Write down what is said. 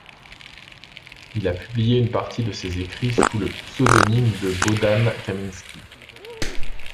Il a publié une partie de ses écrits sous le pseudonyme de Bohdan Kamiński.